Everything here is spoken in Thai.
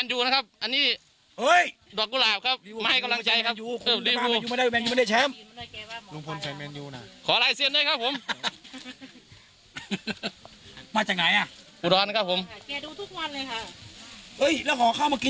เอ่้ยแล้วขอเข้ามากินเกี่ยวกบเดา้นนี่เห้อนักขาวดูนี้